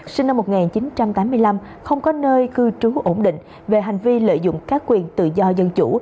sinh năm một nghìn chín trăm tám mươi năm không có nơi cư trú ổn định về hành vi lợi dụng các quyền tự do dân chủ